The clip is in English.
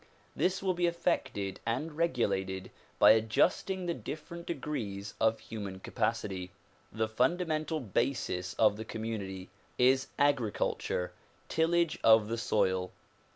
This will be effected and regulated by adjusting the different degrees of human capacity. The fundamental basis of the community is agriculture, tillage of the soil.